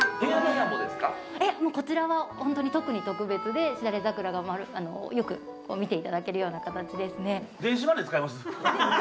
こちらはホントに特に特別で枝垂れ桜がよく見ていただけるような形です。